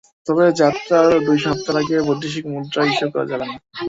তবে যাত্রার দুই সপ্তাহের আগে বৈদেশিক মুদ্রা ইস্যু করা যাবে না।